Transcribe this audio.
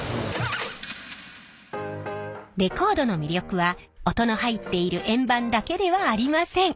レコードの魅力は音の入っている円盤だけではありません。